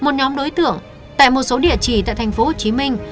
một nhóm đối tượng tại một số địa chỉ tại thành phố hồ chí minh